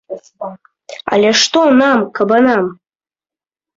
Але што нам, кабанам?